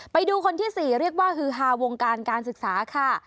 ไปดูคนที่๔เรียกว่าฮือฮาวงการการศึกษาค่ะ